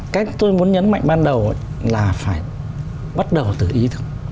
cái tôi muốn nhấn mạnh ban đầu là phải bắt đầu từ ý thức